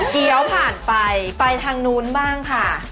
เกี้ยวผ่านไปไปทางนู้นบ้างค่ะ